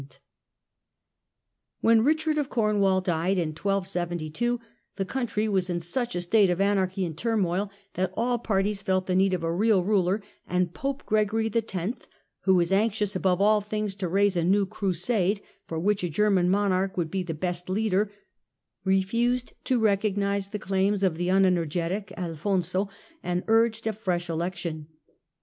GERMANY AND THE EMPIRE, 1273 1378 5 When Eichard of Cornwall died in 1272, the country was in such a state of anarchy and turmoil that all parties felt the need of a real ruler ; and Pope Gregory X., who was anxious above all things to raise a new Crusade, for which a German monarch would be the best leader, refused to recognise the clailBS of the un energetic Alfonso, and urged a fresh election.